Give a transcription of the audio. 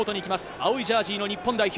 青いジャージーの日本代表。